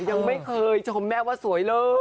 ยังไม่เคยชมแม่ว่าสวยเลย